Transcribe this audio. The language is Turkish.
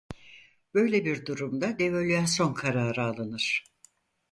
Böyle bir durumda devalüasyon kararı alınır.